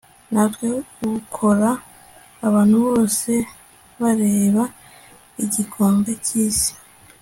ntawe ukora. abantu bose bareba igikombe cyisi